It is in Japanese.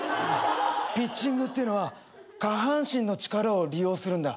ピッチングっていうのは下半身の力を利用するんだ。